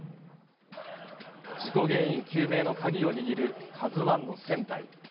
事故原因究明の鍵を握るＫＡＺＵＩの船体。